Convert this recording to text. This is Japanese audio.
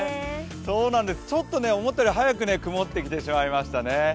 ちょっと思ったより早く曇ってきてしまいましたね。